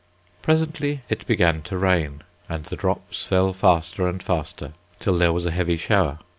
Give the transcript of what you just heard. Presently it began to rain, and the drops fell faster and faster, till there was a heavy shower.